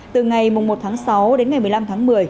từ ngày một tháng sáu đến ngày một mươi năm tháng một mươi